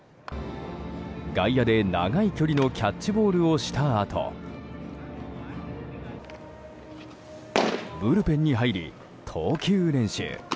外野で、長い距離のキャッチボールをしたあとブルペンに入り、投球練習。